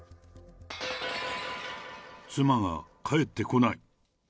妻が帰ってこない。